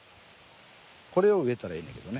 これを植えたらええねんけどね。